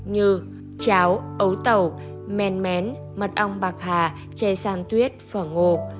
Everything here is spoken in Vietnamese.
như cháo ấu tẩu men men mật ong bạc hà chè san tuyết phở ngô